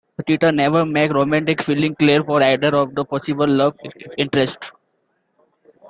Tita never makes romantic feelings clear for either of the possible love interests.